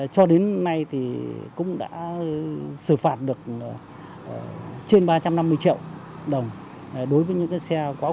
cho đến nay thì cũng đã xử phạt được trên ba trăm năm mươi triệu đồng đối với những cái xe quá khổ quá tải